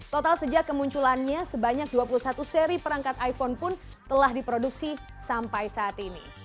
total sejak kemunculannya sebanyak dua puluh satu seri perangkat iphone pun telah diproduksi sampai saat ini